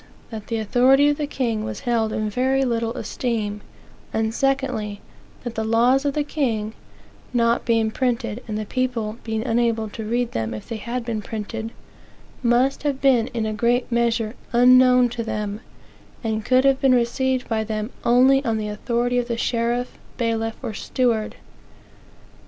that the authority of the king was held in very, little esteem; and, secondly, that the laws of the king (not being printed, and the people being unable to read them if they had been printed) must have been in a great measure unknown to them, and could have been received by them only on the authority of the sheriff, bailiff; or steward.